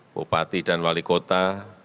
bupati dan wali kota